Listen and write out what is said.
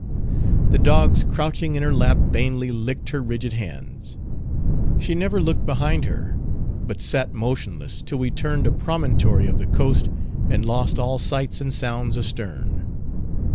The dogs crouching in her lap vainly licked her rigid hands. She never looked behind her: but sat motionless, till we turned a promontory of the coast and lost all sights and sounds astern.